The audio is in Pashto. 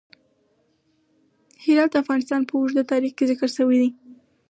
هرات د افغانستان په اوږده تاریخ کې ذکر شوی دی.